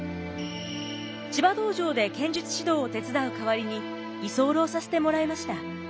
千葉道場で剣術指導を手伝う代わりに居候させてもらいました。